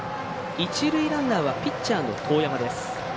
一塁ランナーはピッチャーの當山。